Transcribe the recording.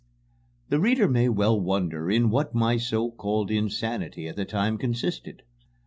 The reader may well wonder in what my so called insanity at this time consisted.